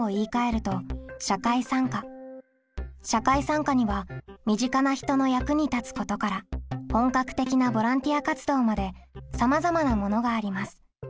社会参加には身近な人の役に立つことから本格的なボランティア活動までさまざまなものがあります。